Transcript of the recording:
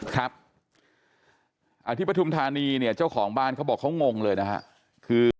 ครับที่ปฐุมธานีเนี่ยเจ้าของบ้านเขาบอกเขางงเลยนะฮะคือ